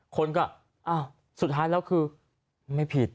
คนก็อ้าวสุดท้ายแล้วคือไม่ผิด